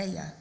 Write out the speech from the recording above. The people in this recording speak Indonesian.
tidak ada ya